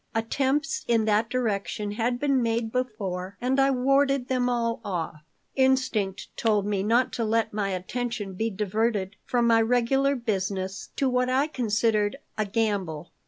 Attempts in that direction had been made before and I had warded them all off Instinct told me not to let my attention be diverted from my regular business to what I considered a gamble.